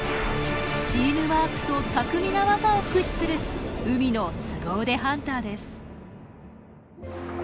チームワークと巧みな技を駆使する海のすご腕ハンターです。